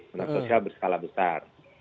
pemerintah sosial berskala besar